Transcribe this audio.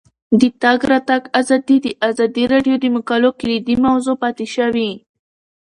د تګ راتګ ازادي د ازادي راډیو د مقالو کلیدي موضوع پاتې شوی.